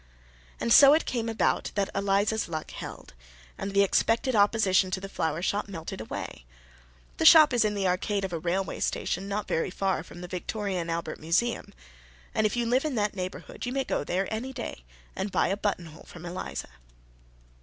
And so it came about that Eliza's luck held, and the expected opposition to the flower shop melted away. The shop is in the arcade of a railway station not very far from the Victoria and Albert Museum; and if you live in that neighborhood you may go there any day and buy a buttonhole from Eliza.